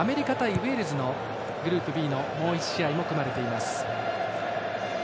ウェールズのグループＢのもう１試合も組まれています。